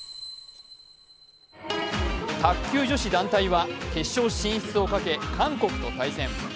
卓球女子団体は決勝進出をかけ、韓国と対戦。